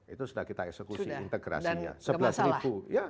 itu sudah kita eksekusi integrasinya